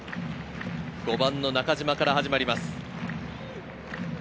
５番の中島から始まります。